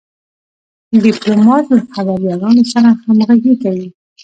ډيپلومات له خبریالانو سره همږغي کوي.